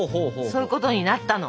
そういうことになったの。